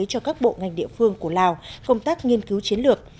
cho các bộ ngành địa phương của lào công tác nghiên cứu chiến lược